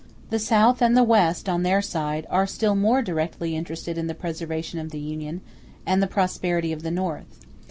The South and the West, on their side, are still more directly interested in the preservation of the Union, and the prosperity of the North.